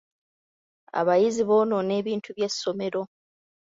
Abayizi bonoona ebintu by'essomero.